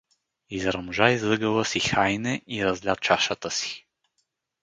Изръмжа из ъгъла си Хайне и разля чашата си.